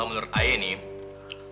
wah menurut saya nih